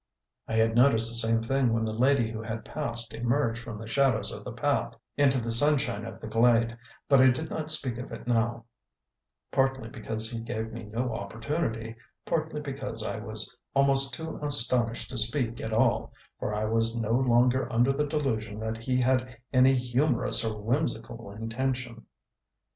I had noticed the same thing when the lady who had passed emerged from the shadows of the path into the sunshine of the glade, but I did not speak of it now; partly because he gave me no opportunity, partly because I was almost too astonished to speak at all, for I was no longer under the delusion that he had any humourous or whimsical intention.